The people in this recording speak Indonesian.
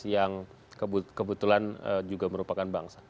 yang kebetulan juga merupakan bangsa